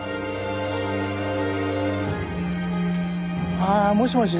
ああもしもし？